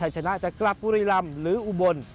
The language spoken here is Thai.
ชนะจะกลับบุรีรำหรืออุบล